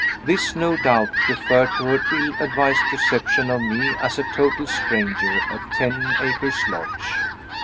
(This no doubt referred to her ill advised reception of me, as a total stranger, at Ten Acres Lodge.)